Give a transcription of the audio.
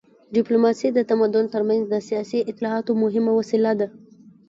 ډیپلوماسي د تمدنونو تر منځ د سیاسي اطلاعاتو مهمه وسیله وه